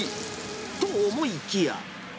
と思いきや。